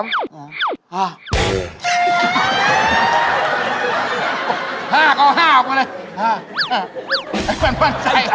มันใช่